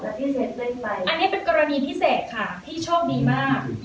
อันนี้เป็นกรณีพิเศษค่ะที่โชคดีมาก